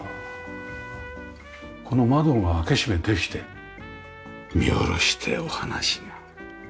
この窓が開け閉めできて見下ろしてお話が。